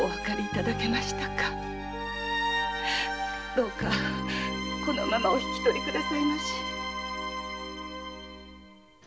どうかこのままお引き取り下さいまし。